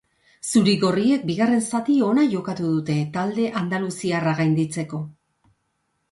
Zuri-gorriek bigarren zati ona jokatu dute talde andaluziarra gainditzeko.